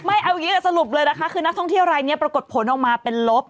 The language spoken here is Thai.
ไม่เอาเยอะสรุปเลยนะคะคือนักท่องเที่ยวรายนี้ปรากฏผลออกมาเป็นลบ